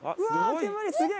煙すげえ！